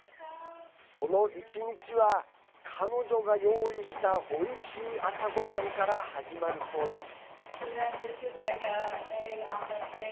その１日は、彼女が用意したおいしい朝ごはんから始まるそうです。